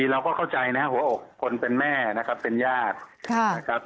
เราก็เข้าใจนะครับหัวอกคนเป็นแม่นะครับเป็นญาตินะครับ